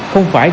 không phải vì